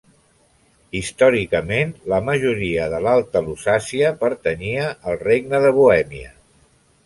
Històricament la majoria de l'Alta Lusàcia pertanyia al regne de Bohèmia.